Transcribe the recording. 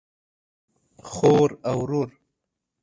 خور او ورور